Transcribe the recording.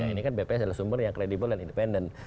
ini kan bps adalah sumber yang kredibel dan independen